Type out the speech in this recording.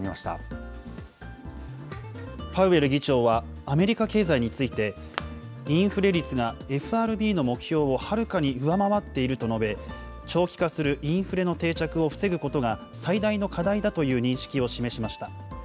パウエル議長はアメリカ経済について、インフレ率がＦＲＢの目標をはるかに上回っていると述べ、長期化するインフレの定着を防ぐことが、最大の課題だという認識を示しました。